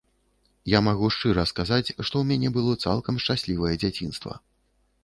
Я магу шчыра сказаць, што ў мяне было цалкам шчаслівае дзяцінства.